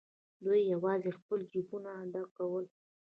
دوی یوازې خپل جېبونه ډکول.